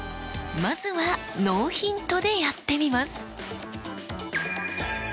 まずはノーヒントでやってみます。